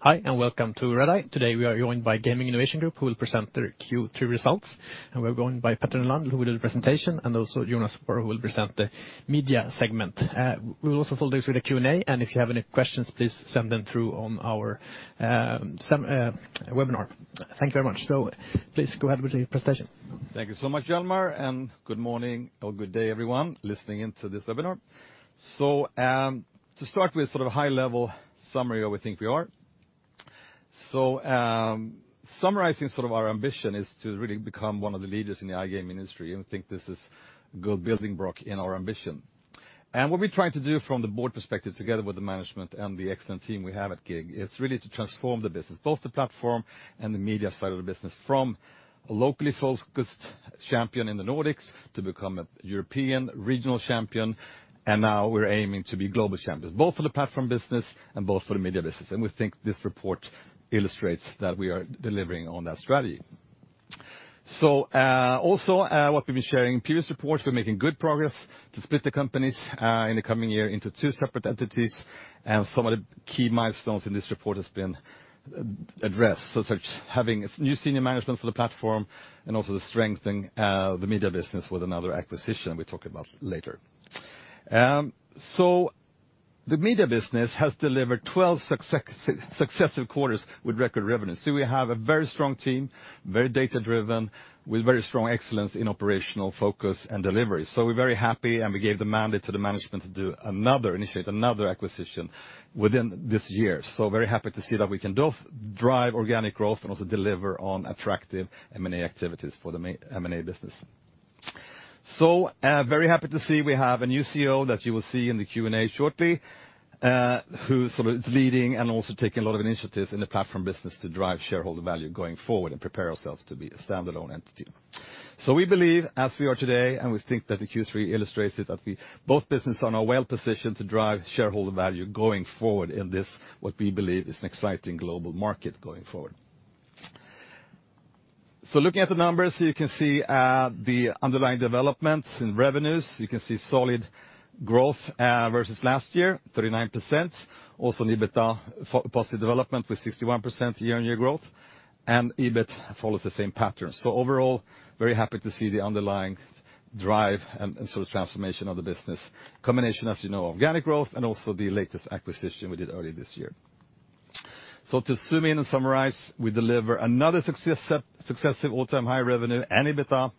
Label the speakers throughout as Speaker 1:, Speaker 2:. Speaker 1: Hi, and welcome to Redeye. Today, we are joined by Gaming Innovation Group, who will present their Q2 results, and we're joined by Petter Nylander, who will do the presentation, and also Jonas Warrer, who will present the media segment. We will also follow this with a Q&A, and if you have any questions, please send them through on our webinar. Thank you very much. Please go ahead with the presentation.
Speaker 2: Thank you so much, Hjalmar, and good morning or good day, everyone, listening in to this webinar. To start with sort of a high-level summary of where we think we are. Summarizing sort of our ambition is to really become one of the leaders in the iGaming industry, and we think this is a good building block in our ambition. What we're trying to do from the board perspective, together with the management and the excellent team we have at GiG, is really to transform the business, both the platform and the media side of the business, from a locally focused champion in the Nordics to become a European regional champion, and now we're aiming to be global champions, both for the platform business and both for the media business. We think this report illustrates that we are delivering on that strategy. So, also, what we've been sharing in previous reports, we're making good progress to split the companies in the coming year into two separate entities, and some of the key milestones in this report has been addressed. So such, having new senior management for the platform and also the strengthening the media business with another acquisition we talk about later. So the media business has delivered 12 successive quarters with record revenue. So we have a very strong team, very data-driven, with very strong excellence in operational focus and delivery. So we're very happy, and we gave the mandate to the management to do another, initiate another acquisition within this year. So very happy to see that we can both drive organic growth and also deliver on attractive M&A activities for the M&A business. So, very happy to see we have a new CEO that you will see in the Q&A shortly, who's sort of leading and also taking a lot of initiatives in the platform business to drive shareholder value going forward and prepare ourselves to be a standalone entity. So we believe, as we are today, and we think that the Q3 illustrates it, that both businesses are now well-positioned to drive shareholder value going forward in this, what we believe is an exciting global market going forward. So looking at the numbers, you can see, the underlying developments in revenues. You can see solid growth, versus last year, 39%. Also, an EBITDA positive development with 61% year-on-year growth, and EBIT follows the same pattern. So overall, very happy to see the underlying drive and, and sort of transformation of the business. Combination, as you know, organic growth and also the latest acquisition we did earlier this year. So to zoom in and summarize, we deliver another successive all-time high revenue and EBITDA,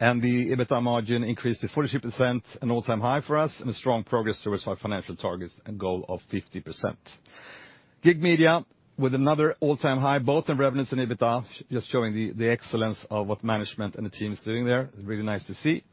Speaker 2: and the EBITDA margin increased to 42%, an all-time high for us, and a strong progress towards our financial targets and goal of 50%. GiG Media, with another all-time high, both in revenues and EBITDA, just showing the excellence of what management and the team is doing there. Really nice to see.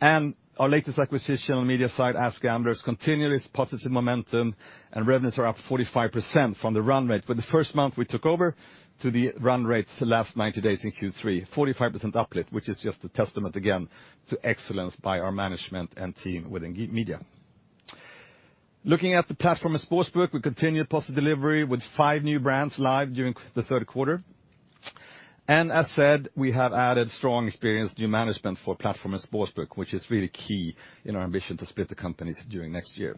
Speaker 2: And our latest acquisition on the media side, AskGamblers, continue its positive momentum, and revenues are up 45% from the run rate. For the first month we took over to the run rate, the last 90 days in Q3, 45% uplift, which is just a testament again to excellence by our management and team within GiG Media. Looking at the platform and sportsbook, we continue positive delivery with five new brands live during the third quarter. As said, we have added strong, experienced new management for platform and sportsbook, which is really key in our ambition to split the companies during next year.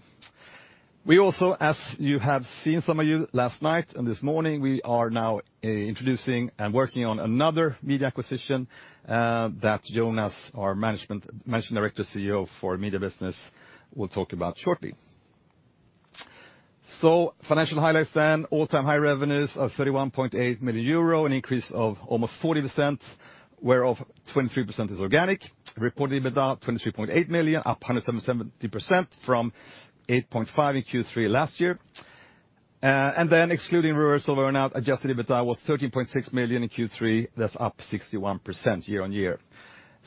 Speaker 2: We also, as you have seen, some of you, last night and this morning, we are now introducing and working on another media acquisition that Jonas, our Managing Director, CEO for media business, will talk about shortly. Financial highlights then. All-time high revenues of 31.8 million euro, an increase of almost 40%, whereof 23% is organic. Reported EBITDA, 23.8 million, up 170% from 8.5 in Q3 last year. And then excluding reversal of earnout, adjusted EBITDA was 13.6 million in Q3. That's up 61% year-on-year.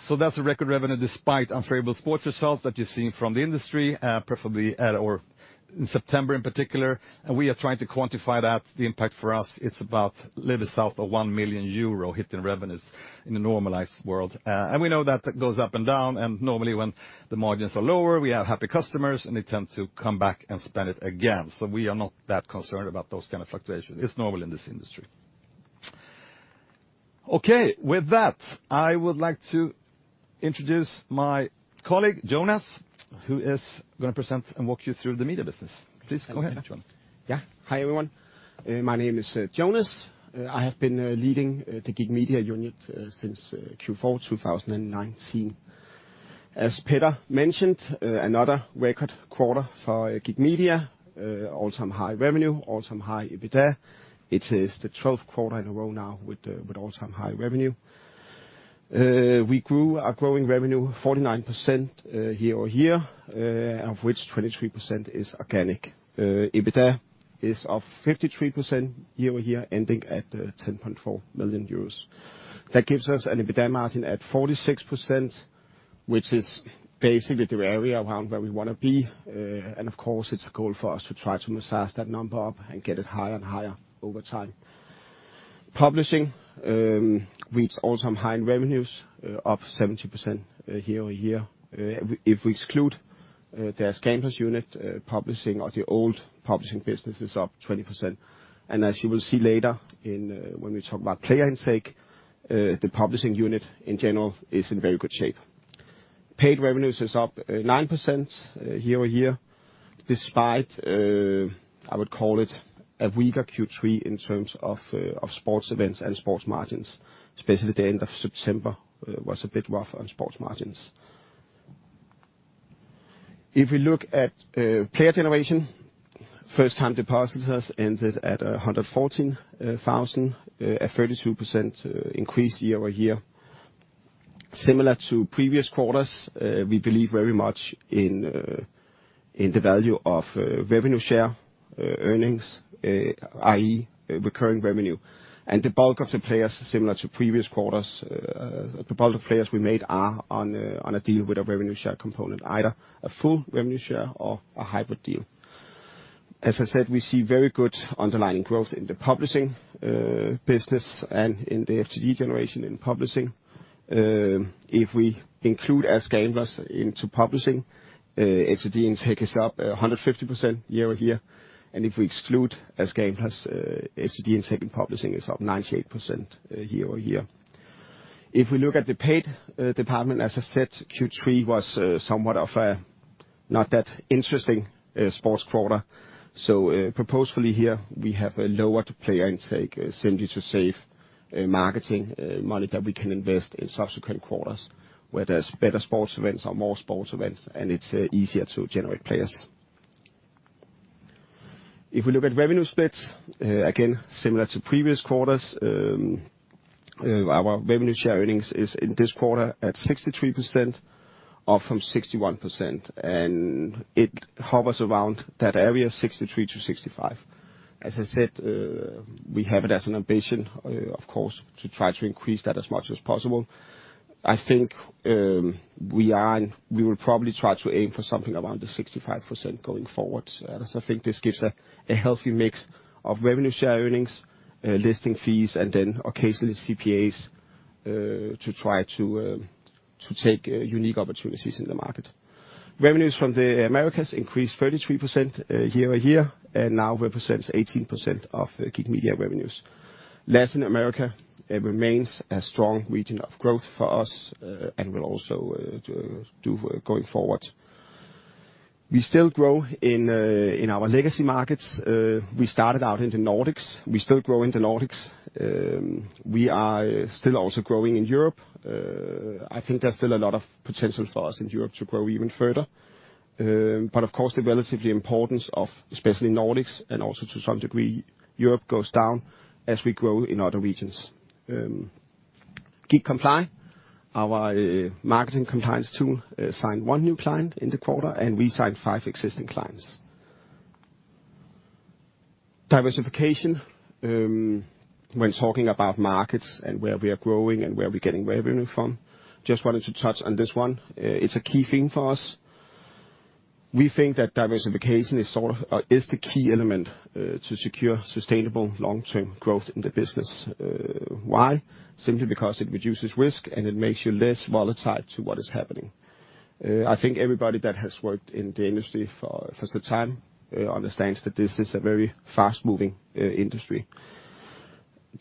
Speaker 2: So that's a record revenue, despite unfavorable sports results that you've seen from the industry, preferably at or in September in particular, and we are trying to quantify that. The impact for us, it's about a little south of 1 million euro hit in revenues in a normalized world. And we know that it goes up and down, and normally when the margins are lower, we have happy customers, and they tend to come back and spend it again. So we are not that concerned about those kind of fluctuations. It's normal in this industry. Okay. With that, I would like to introduce my colleague, Jonas, who is going to present and walk you through the media business. Please go ahead, Jonas.
Speaker 3: Yeah. Hi, everyone. My name is Jonas. I have been leading the GiG Media unit since Q4 2019. As Petter mentioned, another record quarter for GiG Media. All-time high revenue, all-time high EBITDA. It is the 12th quarter in a row now with all-time high revenue. We grew our growing revenue 49% year-over-year, of which 23% is organic. EBITDA is up 53% year-over-year, ending at 10.4 million euros. That gives us an EBITDA margin at 46%, which is basically the area around where we want to be, and of course, it's a goal for us to try to massage that number up and get it higher and higher over time. Publishing reached all-time high in revenues, up 70% year-over-year. If we exclude the AskGamblers unit, publishing or the old publishing business is up 20%. And as you will see later in when we talk about player intake, the publishing unit in general is in very good shape. Paid revenues is up 9% year-over-year, despite I would call it a weaker Q3 in terms of of sports events and sports margins, especially the end of September was a bit rough on sports margins. If we look at player generation, first time depositors ended at 114,000, a 32% increase year-over-year. Similar to previous quarters, we believe very much in in the value of revenue share earnings, i.e., recurring revenue. The bulk of the players, similar to previous quarters, the bulk of players we made are on a deal with a revenue share component, either a full revenue share or a hybrid deal. As I said, we see very good underlying growth in the publishing business and in the FTD generation in publishing. If we include AskGamblers into publishing, FTD intake is up 150% year-over-year, and if we exclude AskGamblers, FTD intake in publishing is up 98% year-over-year. If we look at the paid department, as I said, Q3 was somewhat of a not that interesting sports quarter. So, purposefully here, we have a lower player intake, simply to save, marketing, money that we can invest in subsequent quarters, where there's better sports events or more sports events, and it's, easier to generate players. If we look at revenue splits, again, similar to previous quarters, our revenue share earnings is in this quarter at 63%, up from 61%, and it hovers around that area, 63%-65%. As I said, we have it as an ambition, of course, to try to increase that as much as possible. I think, we are, and we will probably try to aim for something around the 65% going forward. So I think this gives a healthy mix of revenue share earnings, listing fees, and then occasionally CPAs, to try to take unique opportunities in the market. Revenues from the Americas increased 33% year-over-year, and now represents 18% of GiG Media revenues. Latin America, it remains a strong region of growth for us, and will also do going forward. We still grow in our legacy markets. We started out in the Nordics. We still grow in the Nordics. We are still also growing in Europe. I think there's still a lot of potential for us in Europe to grow even further. But of course, the relative importance of, especially Nordics, and also to some degree, Europe, goes down as we grow in other regions. GiG Comply, our marketing compliance tool, signed one new client in the quarter, and re-signed five existing clients. Diversification, when talking about markets and where we are growing and where we're getting revenue from, just wanted to touch on this one. It's a key theme for us. We think that diversification is sort of, is the key element, to secure sustainable long-term growth in the business. Why? Simply because it reduces risk, and it makes you less volatile to what is happening. I think everybody that has worked in the industry for some time understands that this is a very fast-moving industry.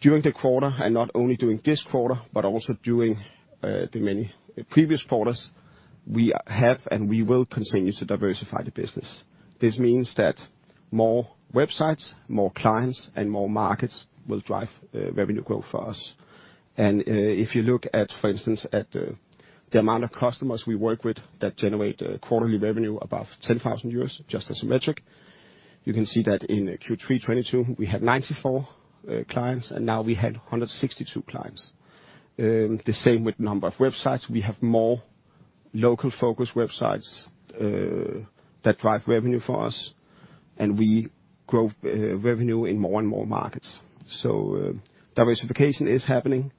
Speaker 3: During the quarter, and not only during this quarter, but also during the many previous quarters, we have, and we will continue to diversify the business. This means that more websites, more clients, and more markets will drive revenue growth for us. And if you look at, for instance, at the amount of customers we work with that generate quarterly revenue above 10,000 euros, just as a metric, you can see that in Q3 2022, we had 94 clients, and now we have 162 clients. The same with number of websites. We have more local-focused websites that drive revenue for us, and we grow revenue in more and more markets. So, diversification is happening,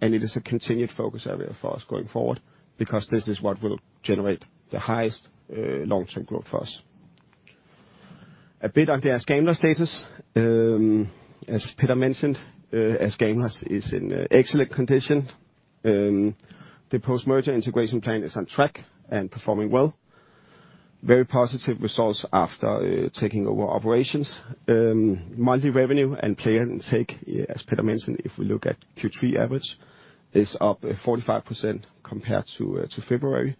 Speaker 3: and it is a continued focus area for us going forward, because this is what will generate the highest long-term growth for us. A bit on the AskGamblers status. As Petter mentioned, AskGamblers is in excellent condition. The post-merger integration plan is on track and performing well. Very positive results after taking over operations. Monthly revenue and player intake, as Petter mentioned, if we look at Q3 average, is up 45% compared to February,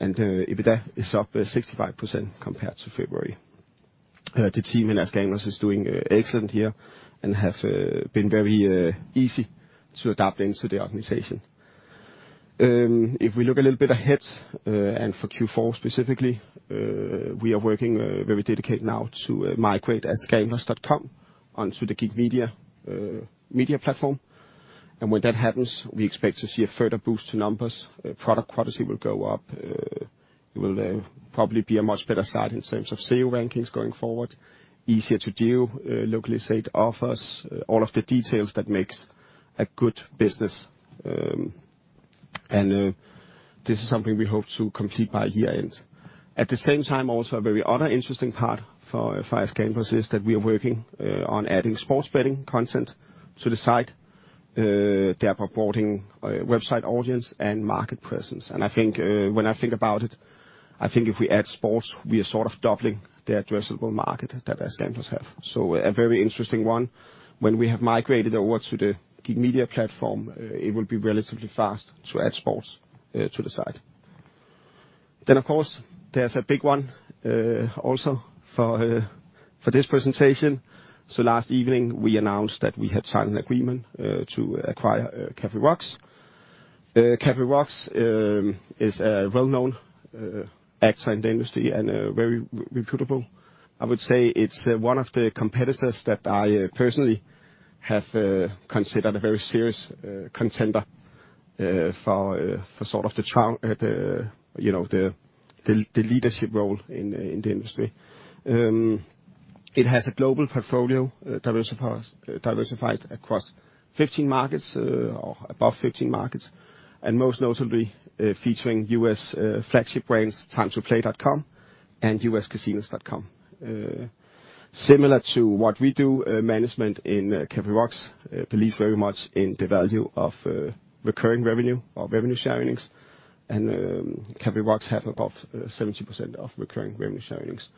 Speaker 3: and EBITDA is up 65% compared to February. The team in AskGamblers is doing excellent here and have been very easy to adapt into the organization. If we look a little bit ahead, and for Q4 specifically, we are working very dedicated now to migrate AskGamblers.com onto the GiG Media media platform. And when that happens, we expect to see a further boost to numbers. Product quality will go up. It will probably be a much better site in terms of SEO rankings going forward, easier to deal locally saved offers, all of the details that makes a good business. And this is something we hope to complete by year-end. At the same time, also a very other interesting part for AskGamblers is that we are working on adding sports betting content to the site, thereby broadening website audience and market presence. And I think if we add sports, we are sort of doubling the addressable market that AskGamblers have. So a very interesting one. When we have migrated over to the GiG Media platform, it will be relatively fast to add sports to the site. Then, of course, there's a big one, also for this presentation. So last evening, we announced that we had signed an agreement to acquire KaFe Rocks. KaFe Rocks is a well-known actor in the industry and very reputable. I would say it's one of the competitors that I personally have considered a very serious contender for sort of the trial, you know, the leadership role in the industry. It has a global portfolio, diversified across 15 markets or above 15 markets, and most notably featuring U.S. flagship brands, Time2play.com and USCasinos.com. Similar to what we do, management in KaFe Rocks believe very much in the value of recurring revenue or revenue share earnings, and KaFe Rocks have about 70% of recurring revenue share earnings.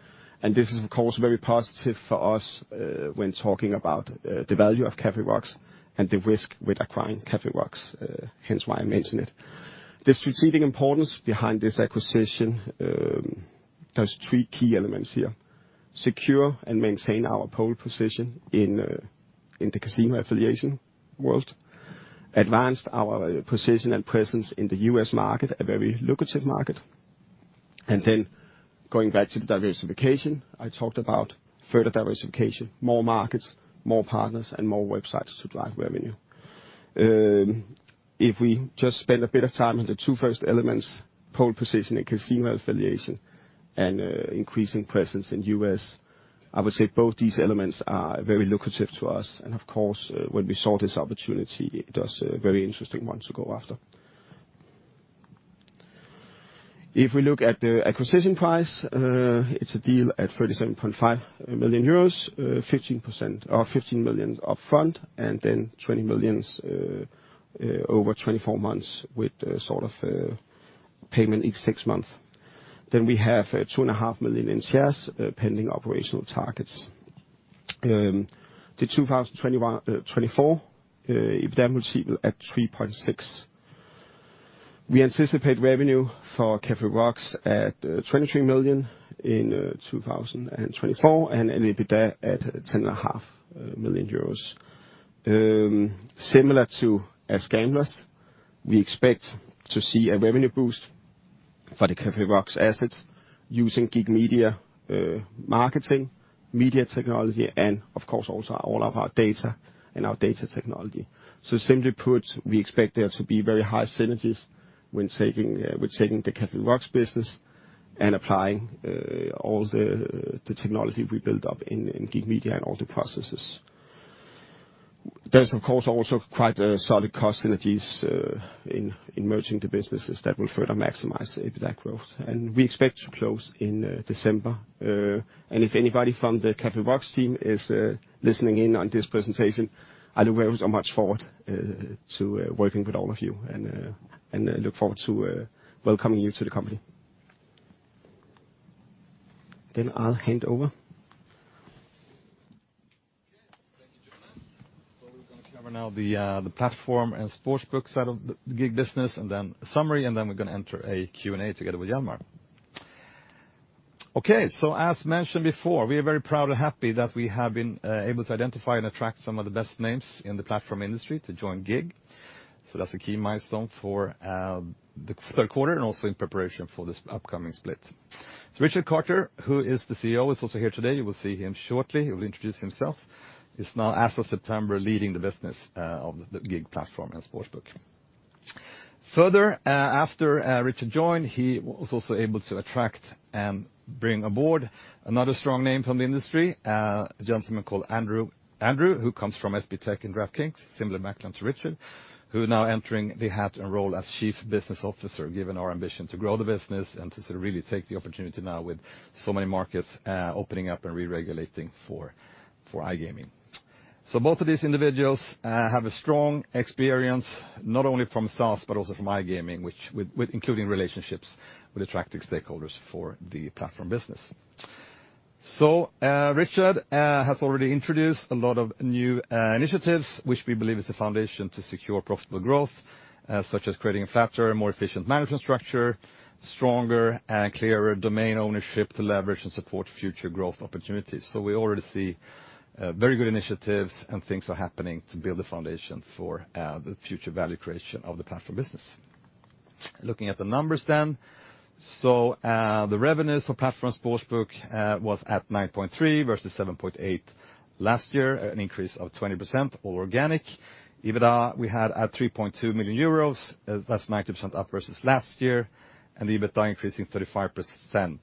Speaker 3: And this is, of course, very positive for us, when talking about the value of KaFe Rocks and the risk with acquiring KaFe Rocks, hence why I mentioned it. The strategic importance behind this acquisition, there's three key elements here: secure and maintain our pole position in the casino affiliation world, advance our position and presence in the U.S. market, a very lucrative market, and then going back to the diversification, I talked about further diversification, more markets, more partners, and more websites to drive revenue. If we just spend a bit of time on the two first elements, pole position and casino affiliation and increasing presence in U.S., I would say both these elements are very lucrative to us, and of course, when we saw this opportunity, it was a very interesting one to go after. If we look at the acquisition price, it's a deal at 37.5 million euros, 15% or 15 million upfront, and then 20 million over 24 months with sort of a payment each six months. Then we have 2.5 million in shares, pending operational targets. The 2021-2024 EBITDA multiple at 3.6x. We anticipate revenue for KaFe Rocks at 23 million in 2024, and an EBITDA at 10.5 million euros. Similar to AskGamblers, we expect to see a revenue boost for the KaFe Rocks assets using GiG Media marketing, media technology, and of course, also all of our data and our data technology. So simply put, we expect there to be very high synergies when taking, with taking the KaFe Rocks business and applying, all the technology we built up in, in GiG Media and all the processes. There's, of course, also quite a solid cost synergies in merging the businesses that will further maximize the EBITDA growth, and we expect to close in, December. And if anybody from the KaFe Rocks team is, listening in on this presentation, I look very much forward, to working with all of you and, and I look forward to, welcoming you to the company. Then I'll hand over.
Speaker 2: Okay, thank you, Jonas. So we're going to cover now the platform and sportsbook side of the GiG business, and then a summary, and then we're going to enter a Q&A together with Hjalmar. Okay, so as mentioned before, we are very proud and happy that we have been able to identify and attract some of the best names in the platform industry to join GiG. So that's a key milestone for the third quarter and also in preparation for this upcoming split. So Richard Carter, who is the CEO, is also here today. You will see him shortly. He will introduce himself. He's now, as of September, leading the business of the GiG Platform & Sportsbook. Further, after Richard joined, he was also able to attract and bring aboard another strong name from the industry, a gentleman called Andrew. Andrew, who comes from SBTech and DraftKings, similar background to Richard, who now entering the hat and role as Chief Business Officer, given our ambition to grow the business and to sort of really take the opportunity now with so many markets opening up and re-regulating for iGaming. So both of these individuals have a strong experience, not only from SaaS, but also from iGaming, which with including relationships with attractive stakeholders for the platform business. So Richard has already introduced a lot of new initiatives, which we believe is the foundation to secure profitable growth, such as creating a flatter and more efficient management structure, stronger and clearer domain ownership to leverage and support future growth opportunities. So we already see very good initiatives, and things are happening to build the foundation for the future value creation of the platform business. Looking at the numbers then. The revenues for platform sportsbook was at 9.3 million versus 7.8 million last year, an increase of 20% organic. EBITDA, we had at 3.2 million euros, that's 90% up versus last year, and the EBITDA increasing 35%,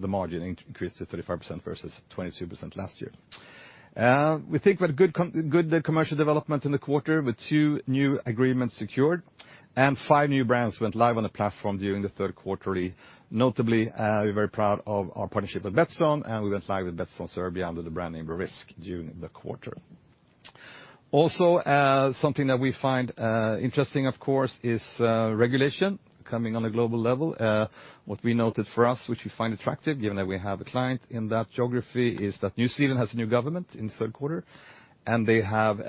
Speaker 2: the margin increased to 35% versus 22% last year. We think we had good commercial development in the quarter with two new agreements secured, and 5 new brands went live on the platform during the third quarter. Notably, we're very proud of our partnership with Betsson, and we went live with Betsson Serbia under the brand name Rizk during the quarter. Also, something that we find interesting, of course, is regulation coming on a global level. What we noted for us, which we find attractive, given that we have a client in that geography, is that New Zealand has a new government in the third quarter, and they have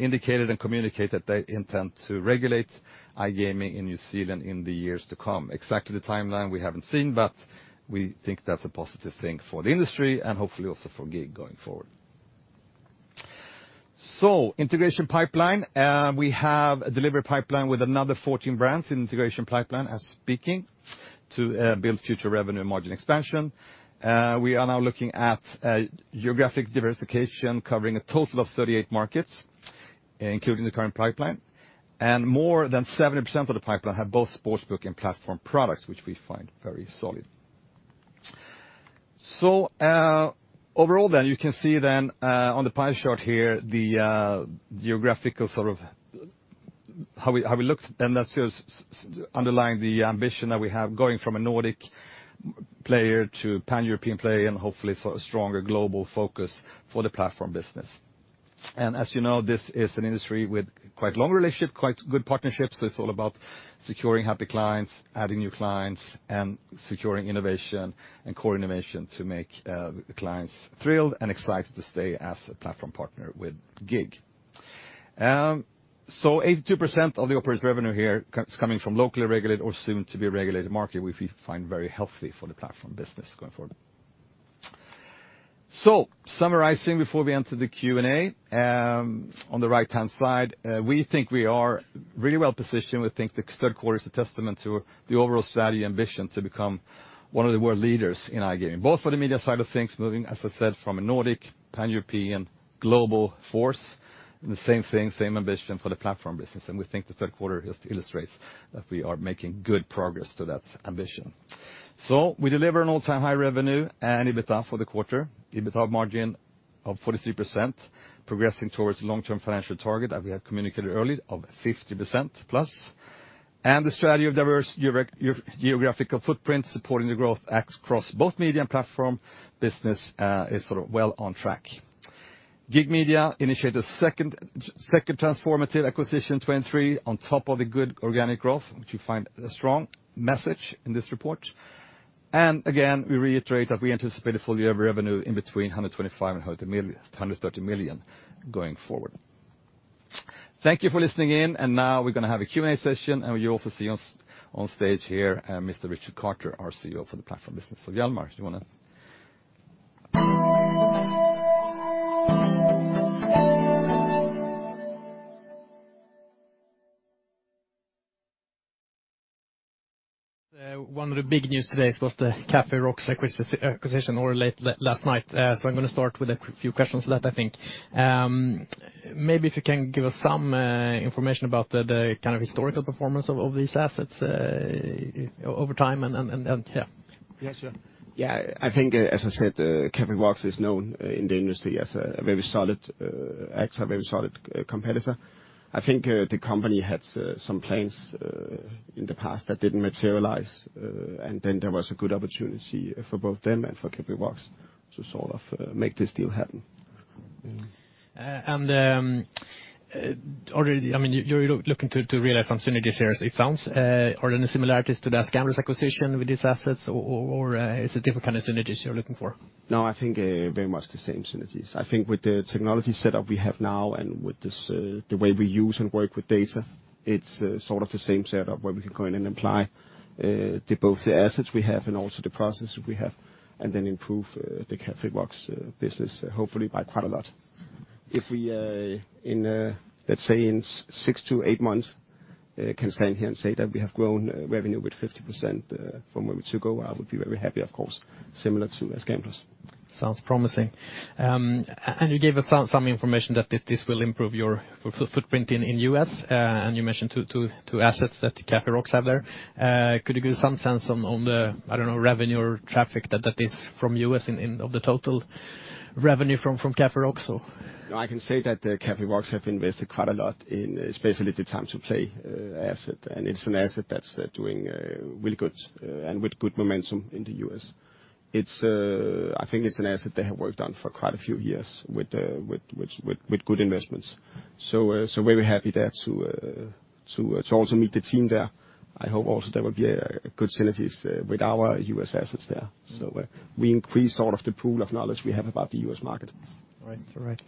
Speaker 2: indicated and communicated that they intend to regulate iGaming in New Zealand in the years to come. Exactly the timeline we haven't seen, but we think that's a positive thing for the industry and hopefully also for GiG going forward. So integration pipeline. We have a delivery pipeline with another 14 brands in integration pipeline as we speak, to build future revenue and margin expansion. We are now looking at geographic diversification, covering a total of 38 markets, including the current pipeline. More than 70% of the pipeline have both sportsbook and platform products, which we find very solid. So, overall, then, you can see then, on the pie chart here, the geographical sort of how we looked, and that's just underlying the ambition that we have, going from a Nordic player to pan-European player and hopefully sort of stronger global focus for the platform business. And as you know, this is an industry with quite long relationship, quite good partnerships. It's all about securing happy clients, adding new clients, and securing innovation and core innovation to make the clients thrilled and excited to stay as a platform partner with GiG. So 82% of the operator's revenue here is coming from locally regulated or soon to be regulated market, which we find very healthy for the platform business going forward. So summarizing before we enter the Q&A, on the right-hand side, we think we are really well positioned. We think the third quarter is a testament to the overall strategy ambition to become one of the world leaders in iGaming, both for the media side of things, moving, as I said, from a Nordic, pan-European, global force, and the same thing, same ambition for the platform business. And we think the third quarter just illustrates that we are making good progress to that ambition. So we deliver an all-time high revenue and EBITDA for the quarter. EBITDA margin of 43%, progressing towards long-term financial target that we have communicated early of 50%+. And the strategy of diverse geographical footprint, supporting the growth across both media and platform business, is sort of well on track. GiG Media initiate a second transformative acquisition, 2023, on top of the good organic growth, which you find a strong message in this report. And again, we reiterate that we anticipate a full year of revenue between 125 million and 130 million going forward. Thank you for listening in, and now we're going to have a Q&A session, and you'll also see us on stage here, Mr. Richard Carter, our CEO for the platform business. So Hjalmar, do you want to?
Speaker 1: One of the big news today was the KaFe Rocks acquisition, or late last night. So I'm going to start with a quick few questions on that, I think. Maybe if you can give us some information about the kind of historical performance of these assets over time, and yeah.
Speaker 2: Yes, sure. Yeah, I think, as I said, KaFe Rocks is known in the industry as a very solid actor, a very solid competitor. I think the company had some plans in the past that didn't materialize, and then there was a good opportunity for both them and for KaFe Rocks to sort of make this deal happen.
Speaker 1: And, are you—I mean, you're looking to realize some synergies here, as it sounds. Are there any similarities to the AskGamblers acquisition with these assets, or is it different kind of synergies you're looking for?
Speaker 2: No, I think very much the same synergies. I think with the technology setup we have now and with this, the way we use and work with data, it's sort of the same setup where we can go in and apply both the assets we have and also the process we have, and then improve the KaFe Rocks business, hopefully by quite a lot. If we, in let's say, in six to eight months, can stand here and say that we have grown revenue with 50%, from where we to go, I would be very happy, of course, similar to AskGamblers.
Speaker 1: Sounds promising. And you gave us some information that this will improve your footprint in U.S., and you mentioned two assets that KaFe Rocks have there. Could you give some sense on, I don't know, revenue or traffic that is from U.S. in of the total revenue from KaFe Rocks so?
Speaker 2: I can say that KaFe Rocks have invested quite a lot in especially the Time2Play asset, and it's an asset that's doing really good and with good momentum in the U.S. I think it's an asset they have worked on for quite a few years with good investments. So very happy there to also meet the team there. I hope also there will be a good synergies with our U.S. assets there. So we increase sort of the pool of knowledge we have about the U.S. market.
Speaker 1: Right. Right.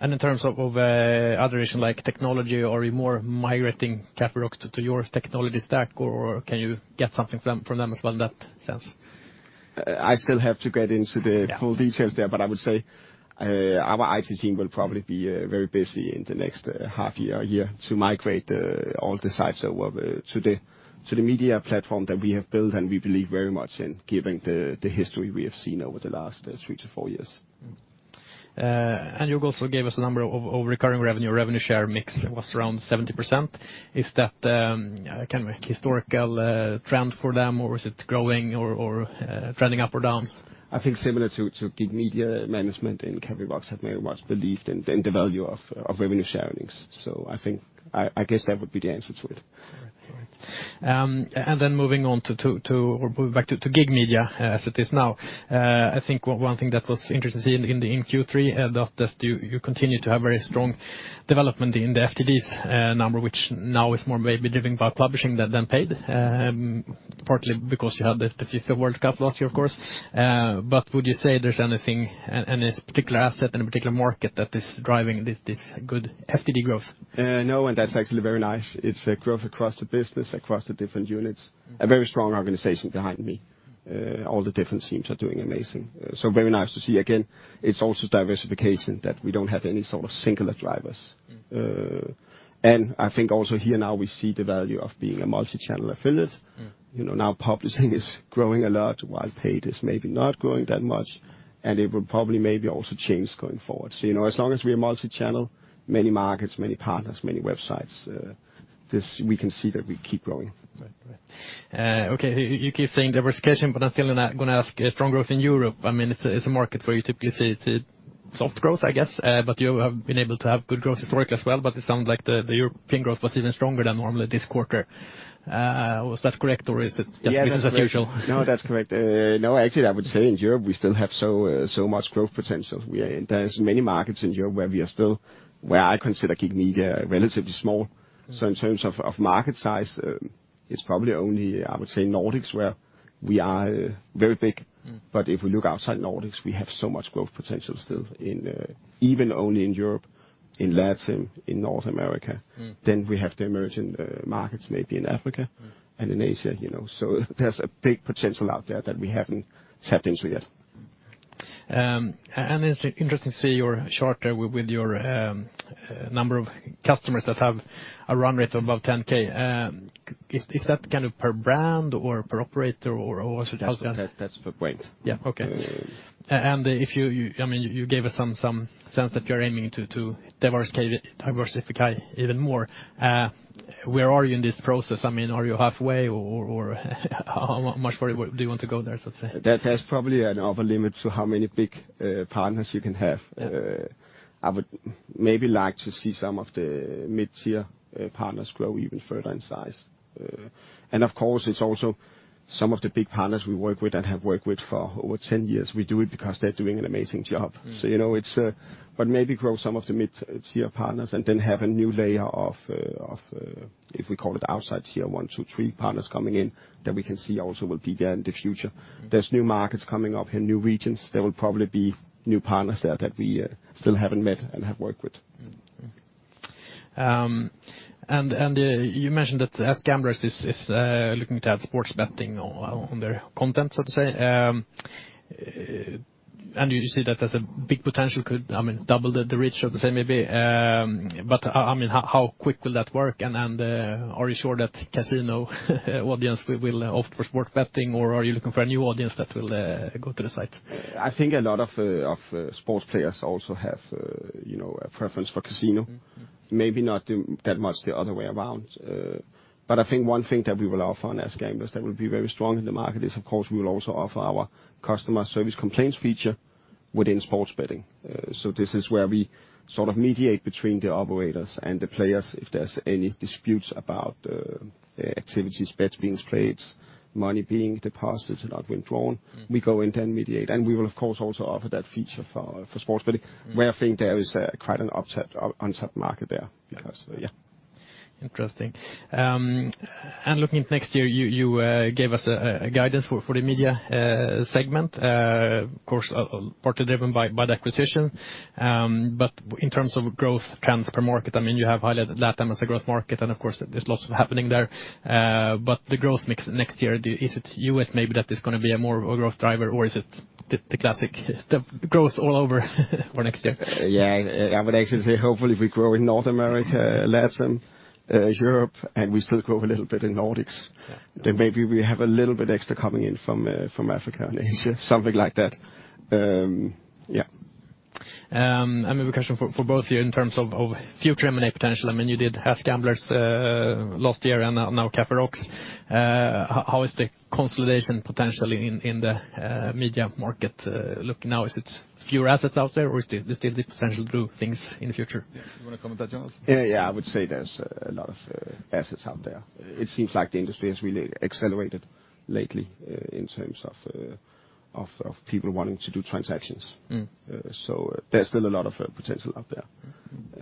Speaker 1: And in terms of other issues like technology, are you more migrating KaFe Rocks to your technology stack, or can you get something from them as well in that sense?
Speaker 2: I still have to get into the-
Speaker 1: Yeah
Speaker 2: Full details there, but I would say our IT team will probably be very busy in the next half year or year to migrate all the sites over to the media platform that we have built, and we believe very much in giving the history we have seen over the last three to four years.
Speaker 1: And you also gave us a number of recurring revenue. Revenue share mix was around 70%. Is that kind of a historical trend for them, or is it growing or trending up or down?
Speaker 2: I think similar to GiG Media management and KaFe Rocks have very much believed in the value of revenue share earnings. So I think I guess that would be the answer to it.
Speaker 1: And then moving on to or back to GiG Media as it is now. I think one thing that was interesting to see in Q3 that you continue to have very strong development in the FTDs number, which now is more maybe driven by publishing than paid, partly because you had the FIFA World Cup last year, of course. But would you say there's anything, any particular asset in a particular market that is driving this good FTD growth?
Speaker 3: No, and that's actually very nice. It's a growth across the business, across the different units. A very strong organization behind me. All the different teams are doing amazing. So very nice to see again, it's also diversification, that we don't have any sort of singular drivers. And I think also here now we see the value of being a multi-channel affiliate.
Speaker 1: Mm.
Speaker 3: You know, now publishing is growing a lot, while paid is maybe not growing that much, and it will probably maybe also change going forward. So, you know, as long as we are multi-channel, many markets, many partners, many websites, we can see that we keep growing.
Speaker 1: Right. Right. Okay, you keep saying diversification, but I'm still gonna ask, strong growth in Europe. I mean, it's a market where you typically see soft growth, I guess, but you have been able to have good growth historically as well. But it sounds like the European growth was even stronger than normally this quarter. Was that correct, or is it just business as usual?
Speaker 3: No, that's correct. No, actually, I would say in Europe, we still have so, so much growth potential. We are. There is many markets in Europe where we are still... Where I consider GiG Media relatively small.
Speaker 1: Mm.
Speaker 3: In terms of market size, it's probably only, I would say, Nordics where we are very big.
Speaker 1: Mm.
Speaker 3: But if we look outside Nordics, we have so much growth potential still in, even only in Europe, in Latin, in North America.
Speaker 1: Mm.
Speaker 3: Then we have the emerging markets, maybe in Africa-
Speaker 1: Mm
Speaker 3: And in Asia, you know. So there's a big potential out there that we haven't tapped into yet.
Speaker 1: It's interesting to see your chart there with your number of customers that have a run rate of above 10K. Is that kind of per brand or per operator or how is that?
Speaker 3: That's per brand.
Speaker 1: Yeah. Okay.
Speaker 3: Mm.
Speaker 1: And if you, I mean, you gave us some sense that you're aiming to diversify even more. Where are you in this process? I mean, are you halfway, or how much further do you want to go there, so to say?
Speaker 3: That has probably an upper limit to how many big partners you can have.
Speaker 1: Yeah.
Speaker 3: I would maybe like to see some of the mid-tier partners grow even further in size. And of course, it's also some of the big partners we work with and have worked with for over 10 years, we do it because they're doing an amazing job.
Speaker 1: Mm.
Speaker 3: So, you know, it's. But maybe grow some of the mid-tier partners and then have a new layer of if we call it outside tier one, two, three partners coming in, that we can see also will be there in the future.
Speaker 1: Mm.
Speaker 3: There's new markets coming up and new regions. There will probably be new partners there that we still haven't met and have worked with.
Speaker 1: And you mentioned that AskGamblers is looking to add sports betting on their content, so to say. And you see that as a big potential could, I mean, double the reach, or the same maybe. But I mean, how quick will that work? And are you sure that casino audience will opt for sports betting, or are you looking for a new audience that will go to the site?
Speaker 3: I think a lot of sports players also have, you know, a preference for casino.
Speaker 1: Mm.
Speaker 3: Maybe not that much the other way around, but I think one thing that we will offer on AskGamblers that will be very strong in the market is, of course, we will also offer our customer service complaints feature within sports betting. So this is where we sort of mediate between the operators and the players if there's any disputes about activities, bets being played, money being deposited or not withdrawn.
Speaker 1: Mm.
Speaker 3: We go in then mediate. And we will, of course, also offer that feature for sports betting.
Speaker 1: Mm.
Speaker 3: -where I think there is, quite an upset, untapped market there-
Speaker 1: Yeah.
Speaker 3: -because, yeah.
Speaker 1: Interesting. And looking at next year, you gave us a guidance for the media segment, of course, partly driven by the acquisition. But in terms of growth trends per market, I mean, you have highlighted LatAm as a growth market, and of course, there's lots happening there. But the growth next year, is it U.S. maybe that is gonna be more of a growth driver, or is it the classic growth all over for next year?
Speaker 3: Yeah, I would actually say hopefully we grow in North America, LatAm, Europe, and we still grow a little bit in Nordics.
Speaker 1: Yeah.
Speaker 3: Then maybe we have a little bit extra coming in from Africa and Asia, something like that. Yeah.
Speaker 1: Maybe a question for both of you in terms of future M&A potential. I mean, you did AskGamblers last year and now, KaFe Rocks. How is the consolidation potential in the media market look now? Is it fewer assets out there, or is there still the potential to do things in the future?
Speaker 4: You want to comment on that, Jonas?
Speaker 3: Yeah, yeah, I would say there's a lot of assets out there. It seems like the industry has really accelerated lately, in terms of people wanting to do transactions.
Speaker 1: Mm.
Speaker 3: There's still a lot of potential out there.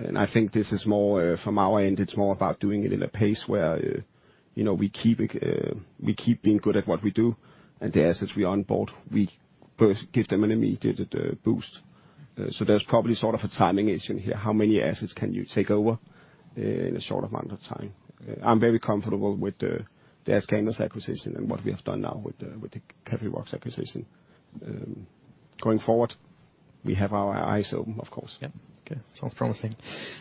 Speaker 1: Mm-hmm.
Speaker 3: I think this is more from our end, it's more about doing it in a pace where, you know, we keep, we keep being good at what we do, and the assets we onboard, we first give them an immediate boost. So there's probably sort of a timing issue here. How many assets can you take over in a short amount of time? I'm very comfortable with the AskGamblers acquisition and what we have done now with the KaFe Rocks acquisition. Going forward, we have our eyes open, of course.
Speaker 1: Yeah. Okay, sounds promising.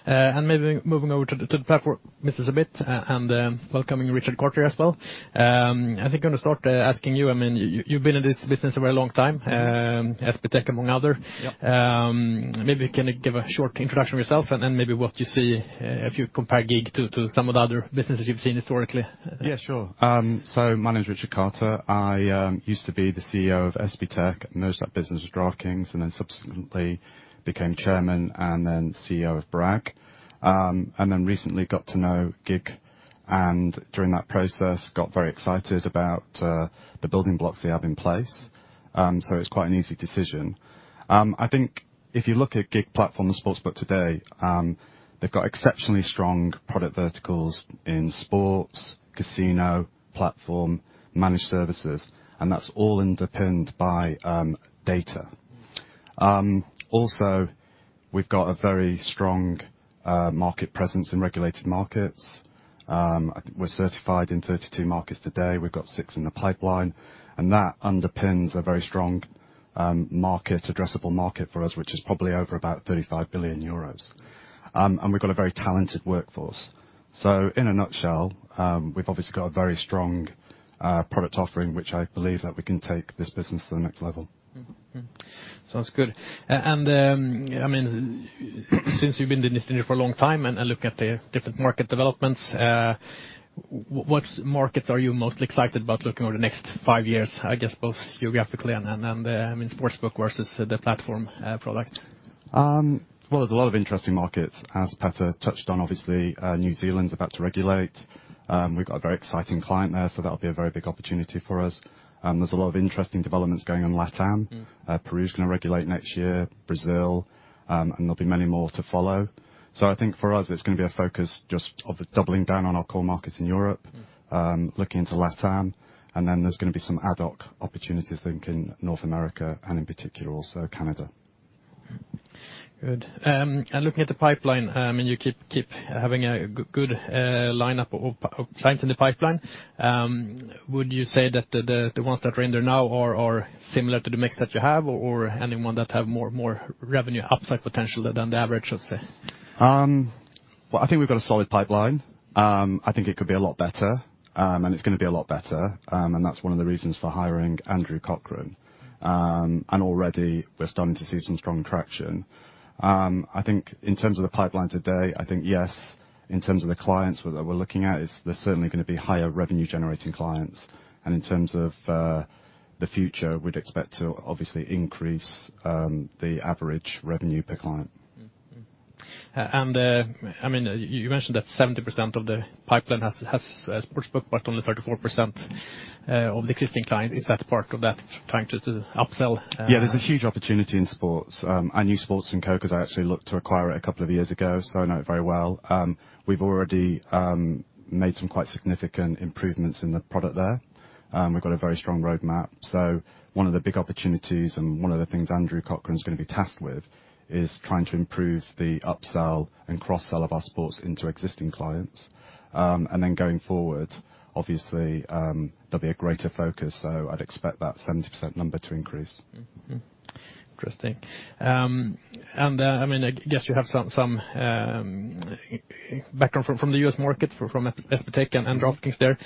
Speaker 1: And maybe moving over to the platform business a bit, and welcoming Richard Carter as well. I think I'm going to start asking you. I mean, you, you've been in this business a very long time, SBTech, among other.
Speaker 4: Yep.
Speaker 1: Maybe can you give a short introduction of yourself and then maybe what you see if you compare GiG to some of the other businesses you've seen historically?
Speaker 4: Yeah, sure. So my name is Richard Carter. I used to be the CEO of SBTech, merged that business with DraftKings, and then subsequently became chairman and then CEO of Bragg. And then recently got to know GiG, and during that process, got very excited about the building blocks they have in place. So it's quite an easy decision. I think if you look at GiG Platform and Sportsbook today, they've got exceptionally strong product verticals in sports, casino, platform, managed services, and that's all underpinned by data. Also, we've got a very strong market presence in regulated markets. I think we're certified in 32 markets today, we've got six in the pipeline, and that underpins a very strong market addressable market for us, which is probably over about 35 billion euros. And we've got a very talented workforce. So in a nutshell, we've obviously got a very strong product offering, which I believe that we can take this business to the next level.
Speaker 1: Mm-hmm. Sounds good. I mean, since you've been in this industry for a long time and look at the different market developments, what markets are you most excited about looking over the next five years? I guess, both geographically and in sportsbook versus the platform product.
Speaker 4: Well, there's a lot of interesting markets. As Petter touched on, obviously, New Zealand's about to regulate. We've got a very exciting client there, so that'll be a very big opportunity for us. There's a lot of interesting developments going on in LatAm.
Speaker 1: Mm.
Speaker 4: Peru's gonna regulate next year, Brazil, and there'll be many more to follow. So I think for us, it's gonna be a focus just of doubling down on our core markets in Europe-
Speaker 1: Mm.
Speaker 4: Looking into LatAm, and then there's gonna be some ad hoc opportunities, I think, in North America, and in particular, also Canada.
Speaker 1: Good. And looking at the pipeline, and you keep having a good lineup of clients in the pipeline, would you say that the ones that are in there now are similar to the mix that you have, or anyone that have more revenue upside potential than the average, let's say?
Speaker 4: Well, I think we've got a solid pipeline. I think it could be a lot better, and it's gonna be a lot better, and that's one of the reasons for hiring Andrew Cochrane. And already we're starting to see some strong traction. I think in terms of the pipeline today, I think, yes, in terms of the clients we're looking at, is there's certainly gonna be higher revenue-generating clients. And in terms of the future, we'd expect to obviously increase the average revenue per client.
Speaker 1: Mm-hmm. And, I mean, you mentioned that 70% of the pipeline has, has a sportsbook, but only 34% of the existing clients, is that part of that trying to, to upsell?
Speaker 4: Yeah, there's a huge opportunity in sports. I knew Sportnco, because I actually looked to acquire it a couple of years ago, so I know it very well. We've already made some quite significant improvements in the product there. We've got a very strong roadmap. So one of the big opportunities and one of the things Andrew Cochrane is gonna be tasked with, is trying to improve the upsell and cross-sell of our sports into existing clients. And then going forward, obviously, there'll be a greater focus, so I'd expect that 70% number to increase.
Speaker 1: Mm-hmm. Interesting. I mean, I guess you have some background from the U.S. market, from SBTech and DraftKings there.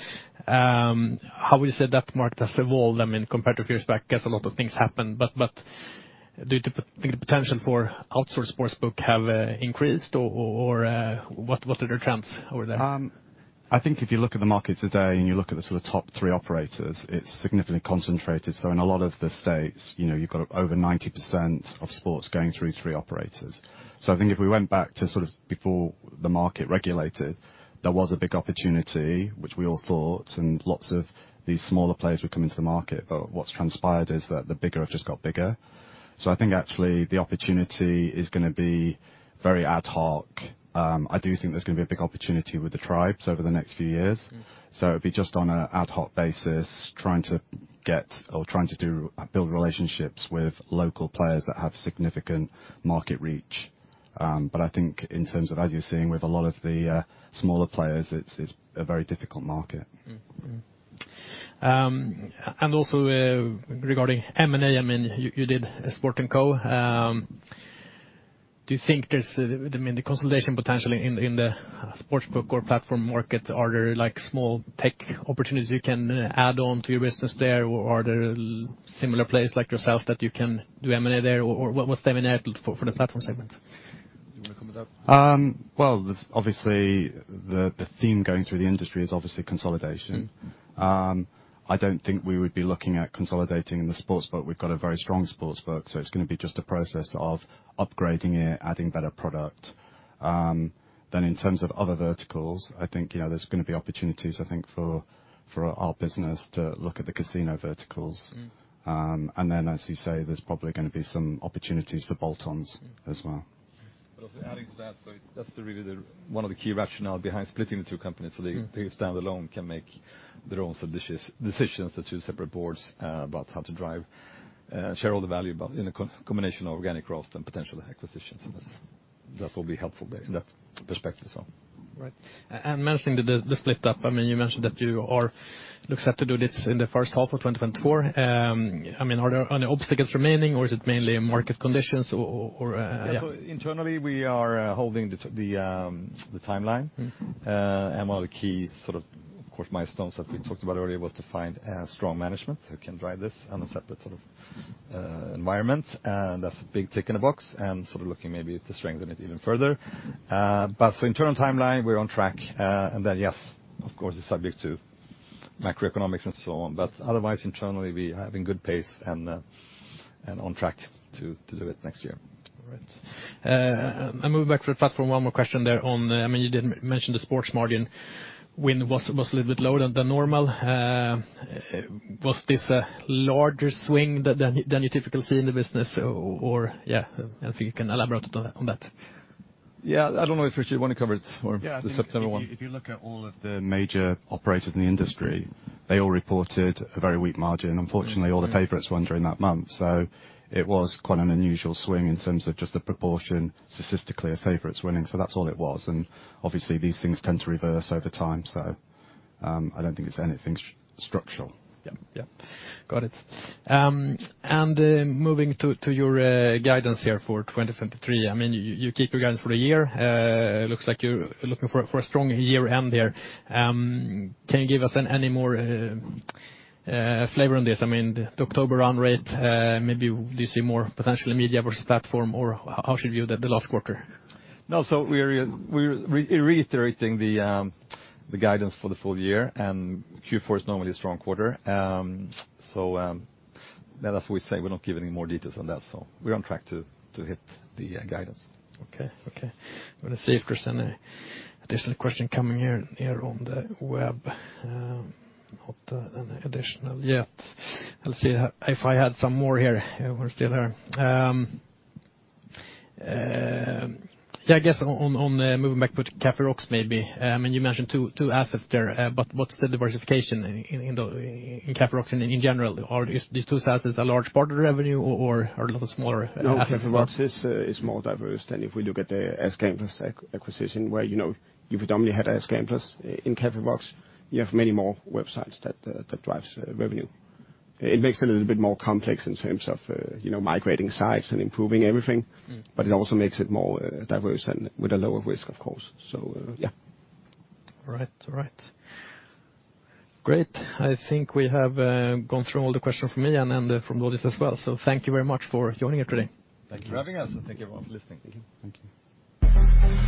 Speaker 1: How would you say that market has evolved, I mean, compared to a few years back? I guess a lot of things happened, but do you think the potential for outsource sportsbook have increased or what are the trends over there?
Speaker 4: I think if you look at the market today, and you look at the sort of top three operators, it's significantly concentrated. So in a lot of the states, you know, you've got over 90% of sports going through three operators. So I think if we went back to sort of before the market regulated, there was a big opportunity, which we all thought, and lots of these smaller players would come into the market, but what's transpired is that the bigger have just got bigger. So I think actually the opportunity is gonna be very ad hoc. I do think there's gonna be a big opportunity with the tribes over the next few years.
Speaker 1: Mm.
Speaker 4: So it'll be just on an ad hoc basis, trying to get or trying to do, build relationships with local players that have significant market reach. But I think in terms of, as you're seeing with a lot of the, smaller players, it's, it's a very difficult market.
Speaker 1: Also, regarding M&A, I mean, you did Sportnco. Do you think there's, I mean, the consolidation potential in the sportsbook or platform market, are there, like, small tech opportunities you can add on to your business there, or are there similar players like yourself that you can do M&A there, or what's the M&A for the platform segment?
Speaker 2: You wanna comment on that?
Speaker 4: Well, obviously, the theme going through the industry is obviously consolidation.
Speaker 1: Mm-hmm.
Speaker 4: I don't think we would be looking at consolidating in the sportsbook. We've got a very strong sportsbook, so it's gonna be just a process of upgrading it, adding better product. Then in terms of other verticals, I think, you know, there's gonna be opportunities, I think, for, for our business to look at the casino verticals.
Speaker 1: Mm.
Speaker 4: And then, as you say, there's probably gonna be some opportunities for bolt-ons as well.
Speaker 2: But also adding to that, so that's really the, one of the key rationale behind splitting the two companies-
Speaker 1: Mm.
Speaker 2: So they standalone can make their own decisions, the two separate boards, about how to drive shareholder value, but in a combination of organic growth and potential acquisitions. And that's will be helpful there in that perspective, so.
Speaker 1: Right. And managing the split up, I mean, you mentioned that you are looks set to do this in the first half of 2024. I mean, are there any obstacles remaining, or is it mainly market conditions or yeah?
Speaker 2: Yeah, so internally, we are holding the timeline.
Speaker 1: Mm-hmm.
Speaker 2: and one of the key sort of, of course, milestones that we talked about earlier was to find a strong management who can drive this on a separate sort of environment, and that's a big tick in the box, and sort of looking maybe to strengthen it even further. but so internal timeline, we're on track, and then, yes, of course, it's subject to macroeconomics and so on. But otherwise, internally, we are having good pace and on track to do it next year.
Speaker 1: All right. I'm moving back to the platform. One more question there on the... I mean, you did mention the sports margin win was a little bit lower than normal. Was this a larger swing than you typically see in the business? Or, yeah, if you can elaborate on that.
Speaker 2: Yeah, I don't know if Richard, you want to cover it or the September one.
Speaker 4: Yeah, if you look at all of the major operators in the industry, they all reported a very weak margin. Unfortunately, all the favorites won during that month, so it was quite an unusual swing in terms of just the proportion, statistically, of favorites winning. So that's all it was, and obviously, these things tend to reverse over time, so, I don't think it's anything structural.
Speaker 1: Yep. Yep, got it. And then moving to your guidance here for 2023. I mean, you keep your guidance for the year. It looks like you're looking for a strong year end there. Can you give us any more flavor on this? I mean, the October run rate, maybe do you see more potentially media versus platform, or how should we view the last quarter?
Speaker 4: No, so we're reiterating the guidance for the full year, and Q4 is normally a strong quarter. So, as we say, we're not giving any more details on that, so we're on track to hit the guidance.
Speaker 1: Okay. Okay. I'm going to see if there's any additional question coming here, here on the web. Not any additional yet. Let's see if I had some more here. We're still here. Yeah, I guess on, on, on moving back to KaFe Rocks, maybe. And you mentioned two assets there, but what's the diversification in, in, in the, in KaFe Rocks and in general? Are these, these two assets a large part of the revenue, or are a lot of smaller assets?
Speaker 3: No, KaFe Rocks is more diverse than if we look at the AskGamblers acquisition, where, you know, you predominantly had AskGamblers. In KaFe Rocks, you have many more websites that drive revenue. It makes it a little bit more complex in terms of, you know, migrating sites and improving everything-
Speaker 1: Mm.
Speaker 2: But it also makes it more, diverse and with a lower risk, of course. So, yeah.
Speaker 1: All right. All right. Great. I think we have gone through all the questions from me and, and from audience as well. So thank you very much for joining us today.
Speaker 2: Thank you for having us, and thank you for listening.
Speaker 4: Thank you. Thank you.